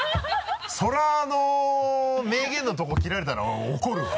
それは名言のところ切られたら怒るわ。